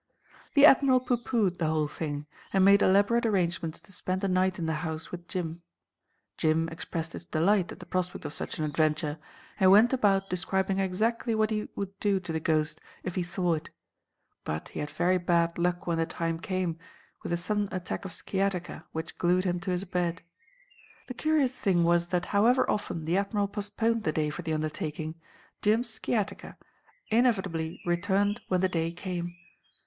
The Admiral pooh poohed the whole thing and made elaborate arrangements to spend a night in the house with Jim. Jim expressed his delight at the prospect of such an adventure, and went about describing exactly what he would do to the ghost if he saw it; but he had very bad luck when the time came, with a sudden attack of sciatica which glued him to his bed. The curious thing was that however often the Admiral postponed the day for the undertaking, Jim's sciatica inevitably returned when the day came.